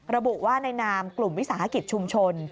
ระบุว่าในนามกลุ่มวิสาหกิจชุมชน